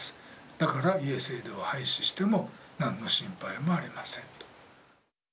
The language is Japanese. だから家制度は廃止しても何の心配もありませんと。